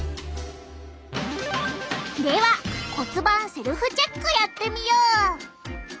では骨盤セルフチェックやってみよう！